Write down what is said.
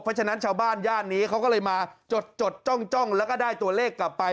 เพราะฉะนั้นชาวบ้านย่านนี้เขาก็เลยมาจดจ้องแล้วก็ได้ตัวเลขกลับไป